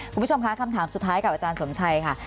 คุณผู้ชมคะคำถามสุดท้ายกับอาจารย์สมชัยค่ะ